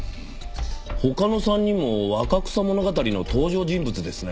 他の３人も『若草物語』の登場人物ですね。